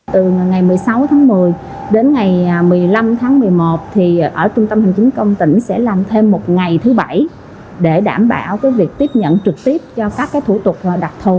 từ ngày một mươi sáu tháng một mươi đến ngày một mươi năm tháng một mươi một ở trung tâm hành chính công tỉnh sẽ làm thêm một ngày thứ bảy để đảm bảo việc tiếp nhận trực tiếp cho các thủ tục đặc thù